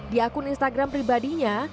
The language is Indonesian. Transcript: di akun instagram pribadinya